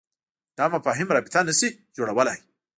دا مفاهیم رابطه نه شي جوړولای.